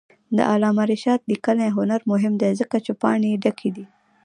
د علامه رشاد لیکنی هنر مهم دی ځکه چې پاڼې ډکې دي.